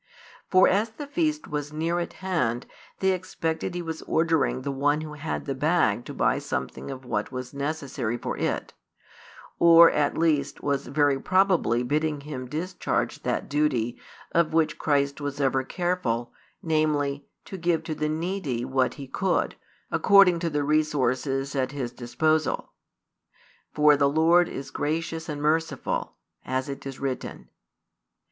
For as the feast was near at hand, they expected He was ordering the one who had the bag to buy something of what was necessary for it, or at least was very probably bidding him discharge that duty of which Christ was ever careful, namely, to give to the needy what He could, according to the resources at His disposal. For the Lord is gracious and merciful, as it is written.